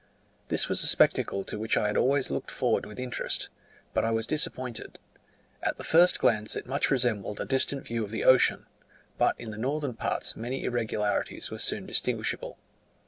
This was a spectacle to which I had always looked forward with interest, but I was disappointed: at the first glance it much resembled a distant view of the ocean, but in the northern parts many irregularities were soon distinguishable.